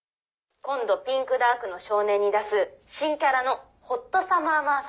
「今度『ピンクダークの少年』に出す新キャラの『ホットサマー・マーサ』。